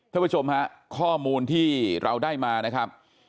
ท่านผู้ชมฮะข้อมูลที่เราได้มานะครับ